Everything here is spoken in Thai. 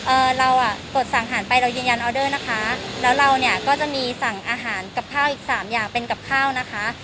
เอ่อเราอ่ะกดสั่งอาหารไปเรายืนยันออเดอร์นะคะแล้วเราเนี่ยก็จะมีสั่งอาหารกับข้าวอีกสามอย่างเป็นกับข้าวนะคะ